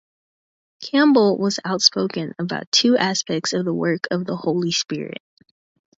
Campbell was outspoken about two aspects of the work of the Holy Spirit.